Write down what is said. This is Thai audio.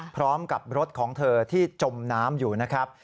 พร้อมกับรถของเธอที่จมน้ำอยู่นะครับ